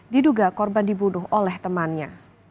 diduga korban dibunuh oleh temannya